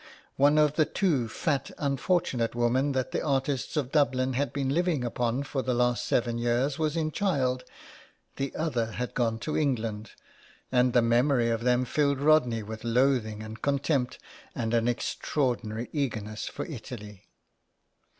One of the two fat unfortunate women that the artists of Dublin had been living upon for the last seven years was in child, the other had gone to England, and the memory of them filled Rodney with loathing and contempt and an extraordinary eagerness for Italy.